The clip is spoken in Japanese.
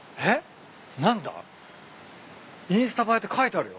「インスタ映え」って書いてあるよ。